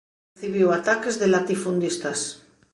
Recibiu ataques de latifundistas.